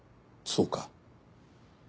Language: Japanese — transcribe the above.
そうか。